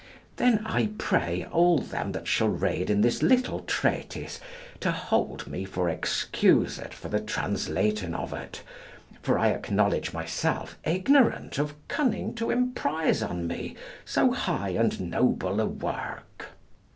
Then I pray all them that shall read in this little treatise to hold me for excused for the translating of it, for I acknowledge myself ignorant of cunning to emprise on me so high and noble a work.